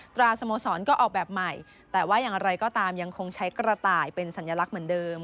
ตราสโมสรก็ออกแบบใหม่แต่ว่าอย่างไรก็ตามยังคงใช้กระต่ายเป็นสัญลักษณ์เหมือนเดิม